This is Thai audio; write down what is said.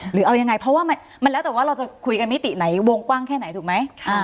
หรือเอายังไงเพราะว่ามันแล้วแต่ว่าเราจะคุยกันมิติไหนวงกว้างแค่ไหนถูกไหม